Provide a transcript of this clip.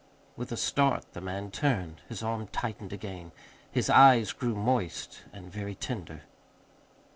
With a start the man turned. His arm tightened again. His eyes grew moist and very tender.